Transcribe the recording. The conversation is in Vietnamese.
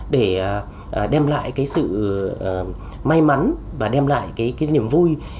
để đem lại cái sự may mắn và đem lại cái niềm vui